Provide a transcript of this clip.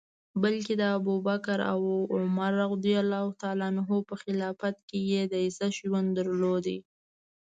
بلکه د ابوبکر او عمر رض په خلافت کي یې د عزت ژوند درلود.